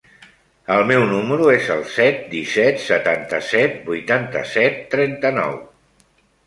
El meu número es el set, disset, setanta-set, vuitanta-set, trenta-nou.